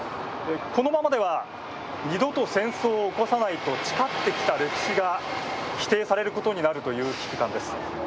このままでは二度と戦争を起こさないと誓ってきた歴史が否定されることになるという危機感です。